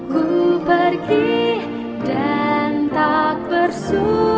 ku pergi dan tak bersu